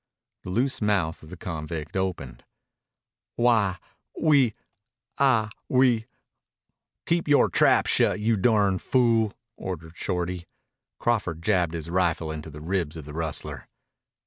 The loose mouth of the convict opened. "Why, we I we " "Keep yore trap shut, you durn fool," ordered Shorty. Crawford jabbed his rifle into the ribs of the rustler.